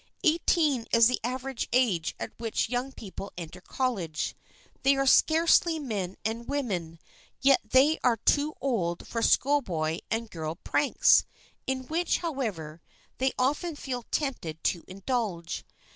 Eighteen is the average age at which young people enter college. They are scarcely men and women, yet they are too old for schoolboy and girl pranks, in which, however, they often feel tempted to indulge.